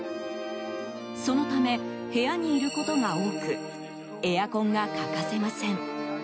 そのため、部屋にいることが多くエアコンが欠かせません。